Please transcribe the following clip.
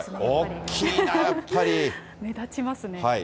大きいなぁ、目立ちますね。